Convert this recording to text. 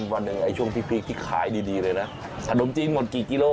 วันนึงช่วงพีที่ขายดีเลยนะถนนจีนหมดกี่กิโล